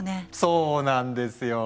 そうなんですよ。